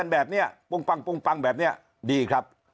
แบบเนี่ยปุ้งปังปุ้งปังแบบเนี่ยดีครับ